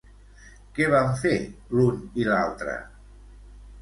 Què van fer, l'un i l'altre?